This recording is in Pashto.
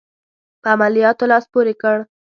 په عملیاتو لاس پوري کړ.